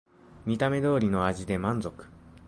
見た目通りの味で満足